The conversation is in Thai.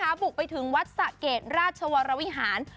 บุกไปถึงวัดสะเกดราชวรวิหาร